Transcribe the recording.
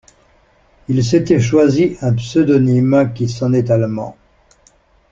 Il s’était choisi un pseudonyme qui sonnait allemand.